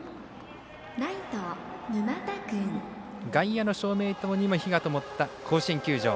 外野の照明塔にも灯がともった甲子園球場。